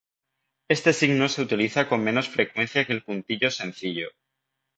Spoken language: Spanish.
Este signo se utiliza con menos frecuencia que el puntillo sencillo.